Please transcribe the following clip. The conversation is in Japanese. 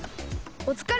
おつかれ。